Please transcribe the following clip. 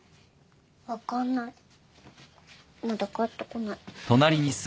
分かんないまだ帰ってこない。